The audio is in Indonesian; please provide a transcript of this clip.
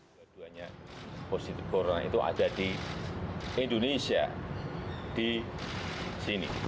dua duanya positif corona itu ada di indonesia di sini